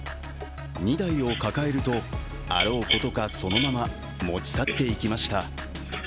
２台を抱えると、あろうことかそのまま持ち去っていきました。